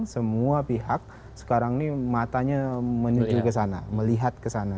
semua pihak sekarang ini matanya menuju ke sana melihat ke sana